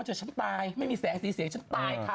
ฉันตายไม่มีแสงสีเสียงฉันตายค่ะ